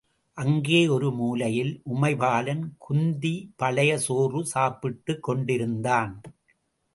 அங்கே ஒரு மூலையில் உமைபாலன் குந்தி பழைய சோறு சாப்பிட்டுக் கொண்டிருந்தான்.